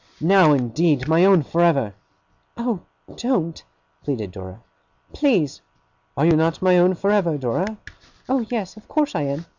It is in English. Now, indeed, my own for ever!' 'Oh, DON'T!' pleaded Dora. 'Please!' 'Are you not my own for ever, Dora?' 'Oh yes, of course I am!